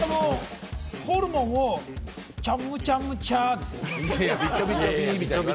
ホルモンをムチャムチャムチャですよね。